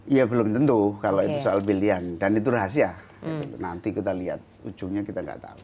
ya belum tentu kalau itu soal pilihan dan itu rahasia nanti kita lihat ujungnya kita nggak tahu